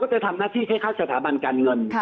จะทำหน้าที่ให้เข้าสถาบันการเงิน